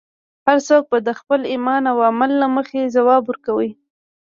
هر څوک به د خپل ایمان او عمل له مخې ځواب ورکوي.